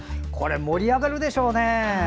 盛り上がるでしょうね。